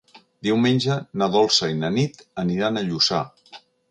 Diumenge na Dolça i na Nit aniran a Lluçà.